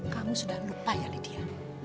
kamu sudah lupa ya lydia